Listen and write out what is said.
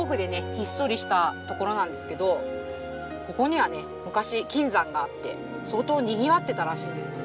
ひっそりしたところなんですけどここには相当にぎわってたらしいんです。